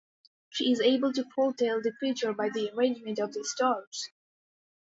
She is able to foretell the future by the arrangement of the stars.